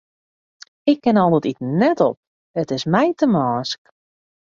Ik kin al dat iten net op, it is my te mânsk.